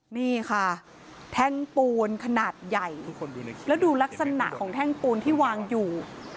นี่ค่ะแท่งปูนขนาดใหญ่แล้วดูลักษณะของแท่งปูนที่วางอยู่